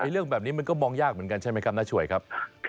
เรื่องแบบนี้มันก็มองยากเหมือนกันใช่ไหมครับน้าช่วยครับ